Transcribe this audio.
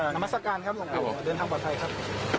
นามัศกาลครับหลวงปู่เดินทางปลอดภัยครับ